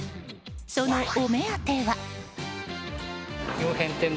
そのお目当ては。